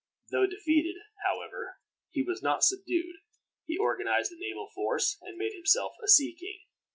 Though defeated, however, he was not subdued. He organized a naval force, and made himself a sea king.